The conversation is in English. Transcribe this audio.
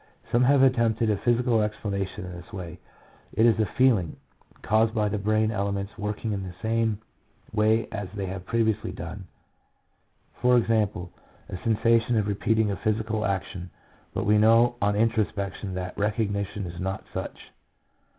Some have attempted a physical explanation in this way: it is a "feeling" caused by the brain elements working in the same way as they have previously done — i.e. y a sensation of repeating a physical action ; but we know on intro spection that recognition is not such.